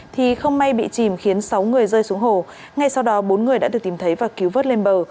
thì không may bị chìm khiến sáu người rơi xuống hồ ngay sau đó bốn người đã được tìm thấy và cứu vớt lên bờ